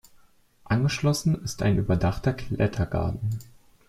Angeschlossen ist ein überdachter Klettergarten.